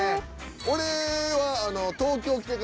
俺は。